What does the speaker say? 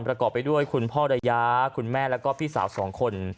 ประกอบไปด้วยคุณพ่อระยะคุณแม่แล้วก็พี่สาวสองคน